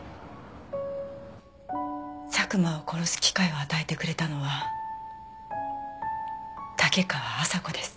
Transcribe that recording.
佐久間を殺す機会を与えてくれたのは竹川麻子です。